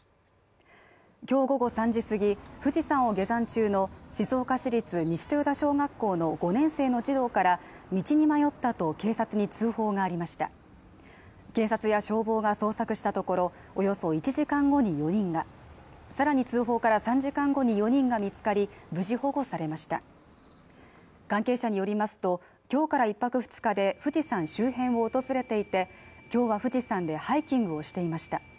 きょう午後３時過ぎ富士山を下山中の静岡市立西豊田小学校の５年生の児童から道に迷ったと警察に通報がありました警察や消防が捜索したところおよそ１時間後に４人がさらに通報から３時間後に４人が見つかり無事保護されました関係者によりますときょうから１泊２日で富士山周辺を訪れていて今日は富士山でハイキングをしていました